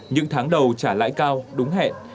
những tháng đầu trả lãi cao đúng hẹn